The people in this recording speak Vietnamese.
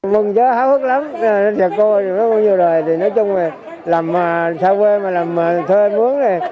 mừng chó háo hức lắm nếu như cô có nhiều đời thì nói chung là làm xã quê mà làm thơ anh muốn này